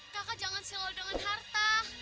kakak jangan selalu dengan harta